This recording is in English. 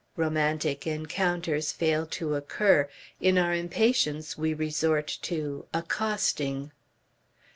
Romantic encounters fail to occur; in our impatience we resort to accosting.